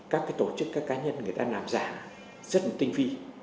các tổ chức các cá nhân người ta làm giả rất là tinh vi